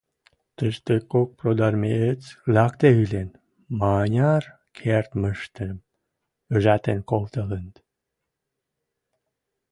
Тӹштӹ кок продармеец лӓкде ӹлен, маняр кердмӹштӹм ыжатен колтылыныт.